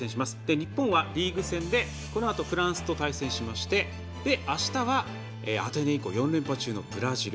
日本はリーグ戦でこのあとフランスと対戦しましてあしたはアテネ以降４連覇中のブラジル。